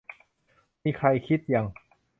มีใครคิด ยัง